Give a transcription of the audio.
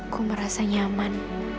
ku merasa nyaman